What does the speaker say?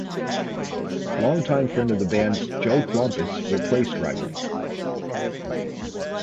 Longtime friend of the band Joe Klompus replaced Reibling.